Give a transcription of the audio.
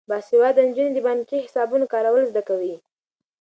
باسواده نجونې د بانکي حسابونو کارول زده کوي.